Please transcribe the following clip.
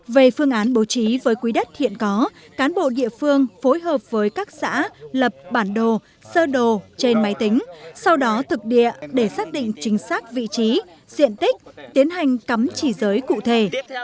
về phương án bố trí với quý đất hiện có cán bộ địa phương phối hợp với các xã lập bản đồ sơ đồ trên máy tính sau đó thực địa để xác định chính xác vị trí diện tích tiến hành cắm chỉ giới cụ thể